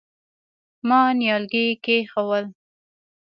ما نيالګي کېښوول.